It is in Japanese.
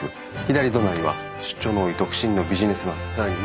左隣は出張の多い独身のビジネスマン。